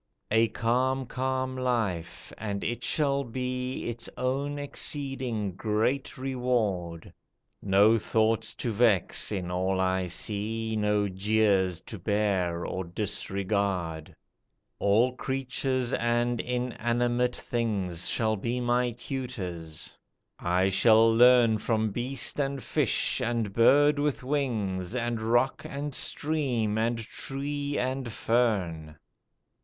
"A calm, calm life, and it shall be Its own exceeding great reward! No thoughts to vex in all I see, No jeers to bear or disregard; All creatures and inanimate things Shall be my tutors; I shall learn From beast, and fish, and bird with wings, And rock, and stream, and tree, and fern."